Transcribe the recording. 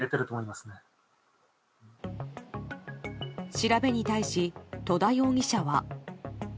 調べに対し、戸田容疑者は。